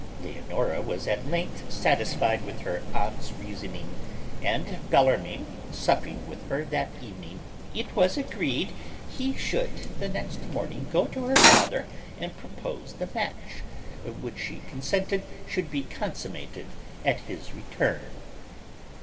Leonora was at length satisfied with her aunt's reasoning; and Bellarmine supping with her that evening, it was agreed he should the next morning go to her father and propose the match, which she consented should be consummated at his return.